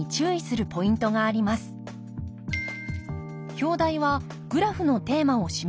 表題はグラフのテーマを示します。